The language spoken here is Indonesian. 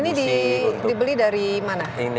ini dibeli dari mana